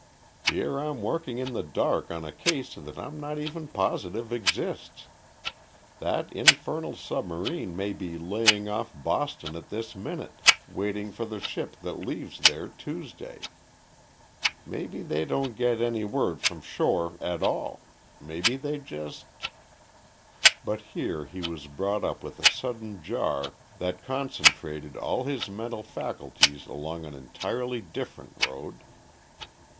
Here I'm working in the dark on a case that I'm not even positive exists. That infernal submarine may be laying off Boston at this minute, waiting for the ship that leaves there Tuesday. Maybe they don't get any word from shore at all.... Maybe they just...." But here he was brought up with a sudden jar that concentrated all his mental faculties along an entirely different road.